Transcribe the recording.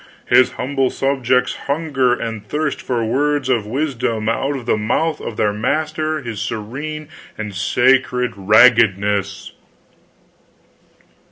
his humble subjects hunger and thirst for words of wisdom out of the mouth of their master his Serene and Sacred Raggedness!"